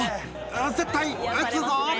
「絶対打つぞ」